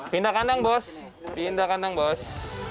pindah kandang bos pindah kandang bos